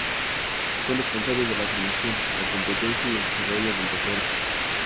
Son responsables de la formación, la competencia y el desarrollo del deporte.